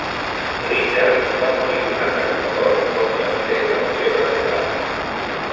Richards va morir d"un atac de cor poc després de la seva arribada.